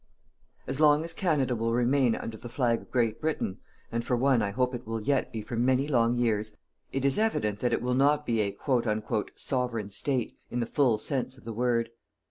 As long as Canada will remain under the flag of Great Britain and for one I hope it will yet be for many long years, it is evident that it will not be a "Sovereign State" in the full sense of the word.